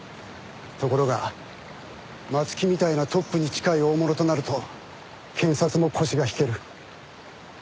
ところが松木みたいなトップに近い大物となると検察も腰が引ける。